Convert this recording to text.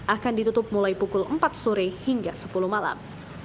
akan ditutup mulai pukul empat sore hingga sepuluh malam